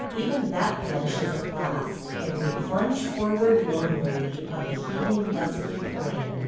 Even that vanishes at last and we plunge forward lonelily on the heaving, dusky plain.